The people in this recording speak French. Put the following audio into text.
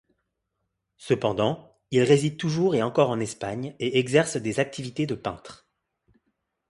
Cependant, il réside toujours et encore en Espagne et exerce des activités de peintre.